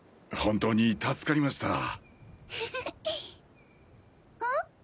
本当に助かりました。